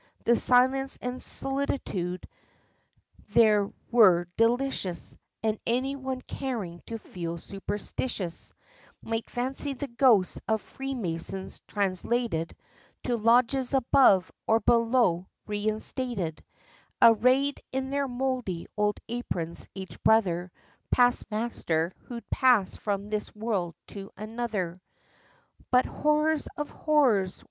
The silence and solitude there were delicious; And any one caring to feel superstitious, Might fancy the ghosts of freemasons, translated To Lodges above or below reinstated, Array'd in their mouldy old aprons; each brother Past Master, who'd passed from this world to another. But horror of horrors!